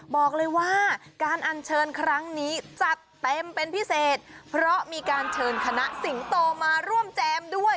บอกเลยว่าการอัญเชิญครั้งนี้จัดเต็มเป็นพิเศษเพราะมีการเชิญคณะสิงโตมาร่วมแจมด้วย